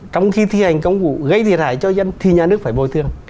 trong khi thi hành công vụ gây thiệt hại cho dân thì nhà nước phải bồi thường